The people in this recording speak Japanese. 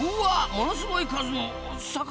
ものすごい数の魚ですか？